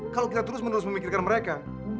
kalau kita terus menerus memikirkan mereka